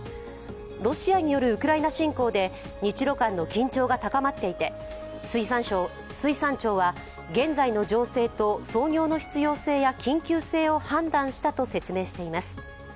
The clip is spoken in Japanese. ロシアによるウクライナ侵攻で日ロ間の緊張が高まっていて、水産庁は、現在の情勢と操業の必要性や緊急性を判断したと説明しています。